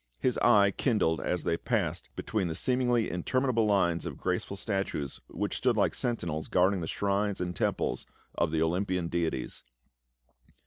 His eye kindled as they passed between the seemingly interminable lines of graceful statues, which stood like sentinels guarding the shrines and temples of the Olympian deities.